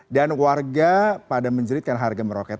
dan warga pada menjeritkan harga meroket